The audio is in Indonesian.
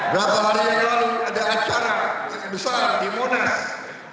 berapa hari yang lalu ada acara besar di monas